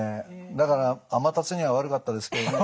だからアマタツには悪かったですけどね